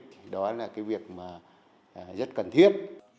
thì đó là cái việc mà rất cần thiết